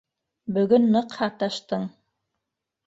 - Бөгөн ныҡ һаташтың.